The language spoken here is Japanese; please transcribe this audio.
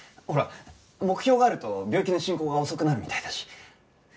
ほら目標があると病気の進行が遅くなるみたいだし。